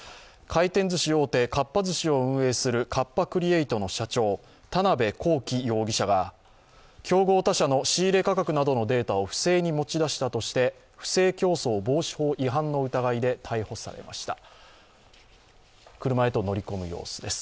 回転ずし大手、かっぱ寿司を運営するカッパ・クリエイトの社長田辺公己容疑者が競合他社の仕入価格などのデータを不正に持ち出したとして不正競争防止法違反の疑いで逮捕されました。